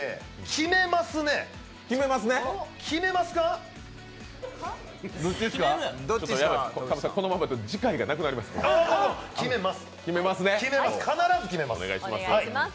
決めます必ず決めます！